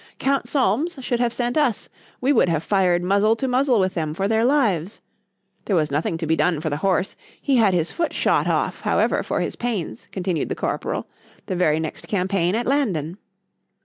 ——Count Solmes should have sent us,——we would have fired muzzle to muzzle with them for their lives.——There was nothing to be done for the horse:——he had his foot shot off however for his pains, continued the corporal, the very next campaign at _Landen.